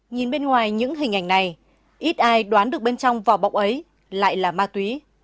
nhìn bên ngoài những hình ảnh này ít ai đoán được bên trong vỏ bọc ấy lại là ma túy